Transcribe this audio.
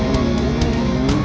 pak aku mau ke sana